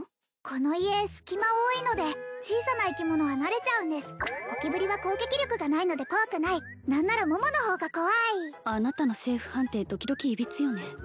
この家隙間多いので小さな生き物は慣れちゃうんですゴキブリは攻撃力がないので怖くない何なら桃の方が怖いあなたのセーフ判定時々いびつよね